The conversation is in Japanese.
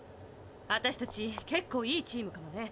私たちけっこういいチームかもね。